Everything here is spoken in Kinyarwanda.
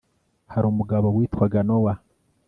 hari umugabo witwaga nowa